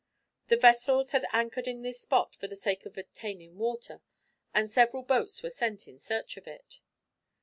The vessels had anchored in this spot for the sake of obtaining water, and several boats were sent in search of it.